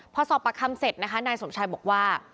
พอสอบปากคำเสร็จนะคะนายสมชายบอกว่า